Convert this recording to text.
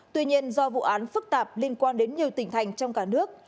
tuy nhiên do vụ án phức tạp liên quan đến nhiều tỉnh thành trong cả nước